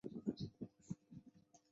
魏桓子只好同意了。